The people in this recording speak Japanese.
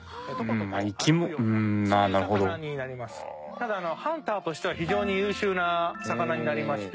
ただハンターとしては非常に優秀な魚になりまして